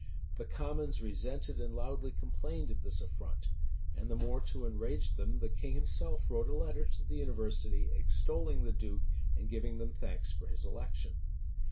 The commons resented and loudly complained of this affront; and the more to enrage them, the king himself wrote a letter to the university, extolling the duke, and giving them thanks for his election.